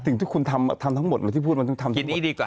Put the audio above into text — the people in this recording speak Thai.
ถึงทุกคนทำทั้งหมดป่ะที่พูดมันจงทำงานดีกว่า